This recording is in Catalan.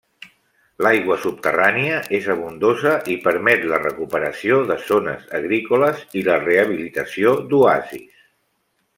L'aigua subterrània és abundosa i permet la recuperació de zones agrícoles i la rehabilitació d'oasis.